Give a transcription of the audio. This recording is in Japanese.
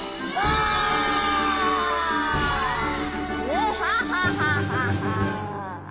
ヌハハハハハ！